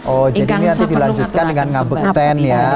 oh jadi ini nanti dilanjutkan dengan ngabuk ten ya